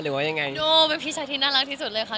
เป็นพี่ชายที่น่ารักที่สุดเลยค่ะ